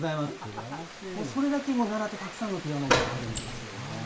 それだけ奈良ってたくさんのピアノがあるんです。